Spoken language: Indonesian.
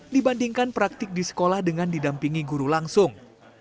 dibandingkan praktik di sekolah dengan didampingi guru langsung